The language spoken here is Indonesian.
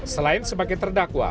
selain sebagai terdakwa